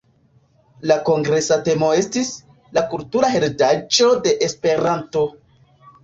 La kongresa temo estis: la kultura heredaĵo de Esperanto.